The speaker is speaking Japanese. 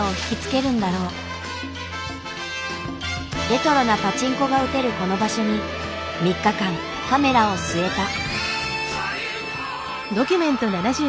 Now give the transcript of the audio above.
レトロなパチンコが打てるこの場所に３日間カメラを据えた。